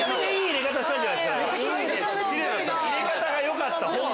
入れ方がよかった。